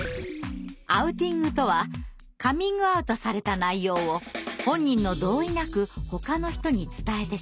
「アウティング」とはカミングアウトされた内容を本人の同意なくほかの人に伝えてしまうこと。